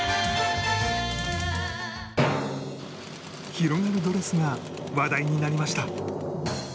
広がるドレスが話題になりました